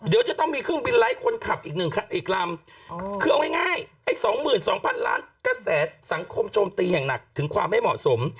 เดี๋ยวจะต้องมีเครื่องบินไลค์คนขับอีก๑อีกลำคือเอาง่ายไอ้๒๒๐๐๐ล้านกระแสสังคมโจมตีอย่างหนักถึงความไม่เหมาะสม